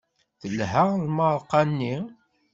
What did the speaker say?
Telha lmeṛqa-nni?